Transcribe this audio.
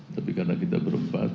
tapi karena kita berempat